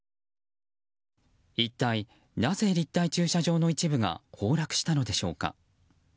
一体なぜ、立体駐車場の一部が崩落したのでしょうか。